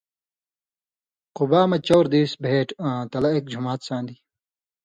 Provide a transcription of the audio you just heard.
قُبا مہ چؤر دېس بھېٹ، آں تلہ اېک جُماتھ سان٘دیۡ۔